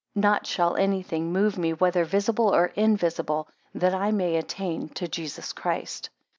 Not shall any thing move me whether visible or invisible, that I may attain to Jesus Christ.